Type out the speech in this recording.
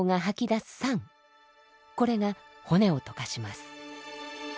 これが骨を溶かします。